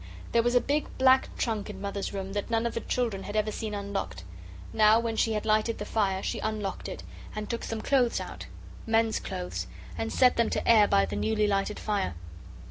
There was a big black trunk in Mother's room that none of the children had ever seen unlocked. Now, when she had lighted the fire, she unlocked it and took some clothes out men's clothes and set them to air by the newly lighted fire.